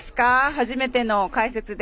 初めての解説で。